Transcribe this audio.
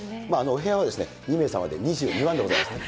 お部屋は２名様で２２万でございますね。